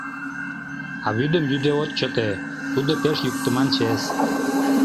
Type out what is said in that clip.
А вӱдым йӱде от чыте, тудо пеш йӱктыман чес.